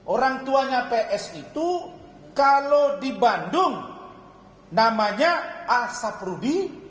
orang tuanya ps itu kalau di bandung namanya asap rudi